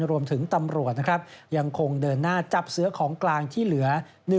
รวมถึงตำรวจยังคงเดินหน้าจับเสื้อของกลางที่เหลือ